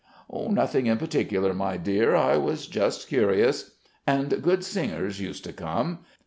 "Nothing in particular, my dear. I was just curious.... And good singers used to come.